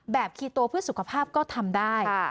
คีโตเพื่อสุขภาพก็ทำได้